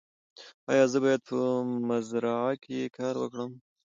ایا زه باید په مزرعه کې کار وکړم؟